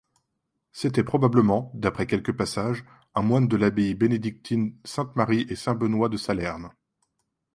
C'était probablement, d'après quelques passages, un moine de l'abbaye bénédictine Sainte-Marie-et-Saint-Benoît de Salerne.